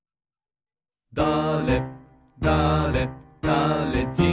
「だれだれだれじん」